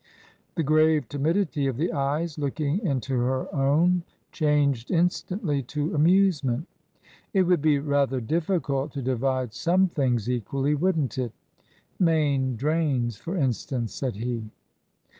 The grave timidity of the eyes looking into her own changed instantly to amusement. " It would be rather difficult to divide some things equally, wouldn't it ? Main Drains, for instance," said he.